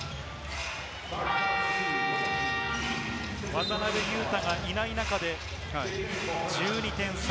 渡邊雄太がいない中で１２点差。